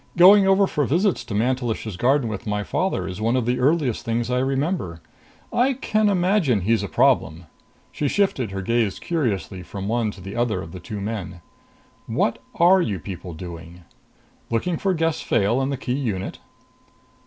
"Going over for visits to Mantelish's garden with my father is one of the earliest things I remember. I can imagine he's a problem!" She shifted her gaze curiously from one to the other of the two men. "What are you people doing? Looking for Gess Fayle and the key unit?"